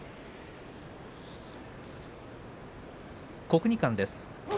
国技館です。